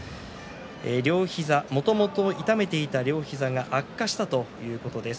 両膝、もともと痛めていた両膝が悪化したということです。